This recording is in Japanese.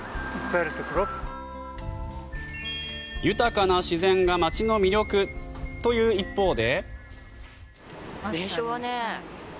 豊かな自然が町の魅力という一方で。